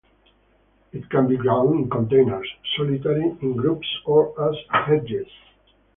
It can be grown in containers, solitary, in groups or as hedges.